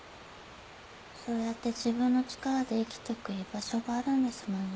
そうやって自分の力で生きてく居場所があるんですもんね。